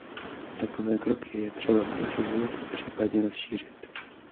Takové kroky je třeba prosazovat a případně rozšířit.